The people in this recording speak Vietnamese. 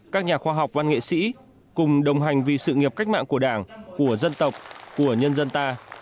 các nhà khoa học văn nghệ sĩ cùng đồng hành vì sự nghiệp cách mạng của đảng của dân tộc của nhân dân ta